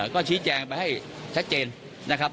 ก็ชี้แจงไปให้ชัดเจนนะครับ